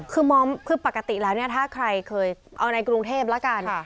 คือปกติแล้วถ้าใครเคยเอาในกรุงเทพฯแล้วกัน